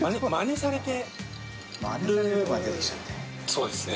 そうですね。